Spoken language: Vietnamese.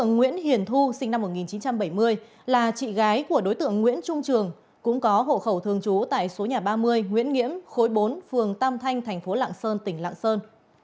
nguyễn hiển thu sinh năm một nghìn chín trăm bảy mươi là chị gái của đối tượng nguyễn trung trường cũng có hộ khẩu thường chú tại số nhà ba mươi nguyễn nghiễm khối bốn phường tam thanh tp lạng sơn tỉnh lạng sơn